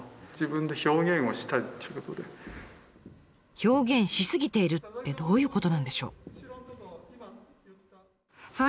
「表現し過ぎている」ってどういうことなんでしょう？